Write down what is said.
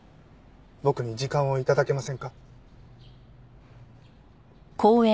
僕に時間を頂けませんか？